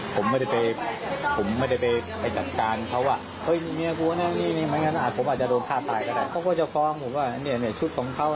เขาถือว่าทำเวรทำกรรมกันมา